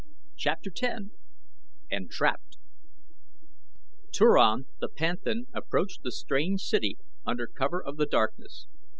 CHAPTER X ENTRAPPED Turan the panthan approached the strange city under cover of the darkness.